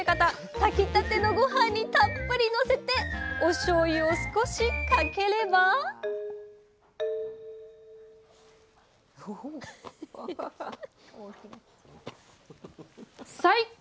炊きたてのごはんにたっぷりのせておしょうゆを少しかければアハハハハハッ。